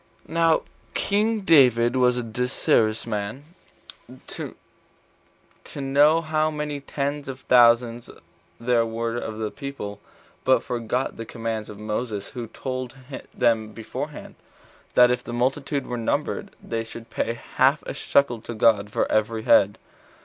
1. Now king David was desirous to know how many ten thousands there were of the people, but forgot the commands of Moses, 23 who told them beforehand, that if the multitude were numbered, they should pay half a shekel to God for every head.